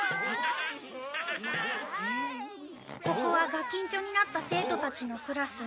ここはガキンチョになった生徒たちのクラス。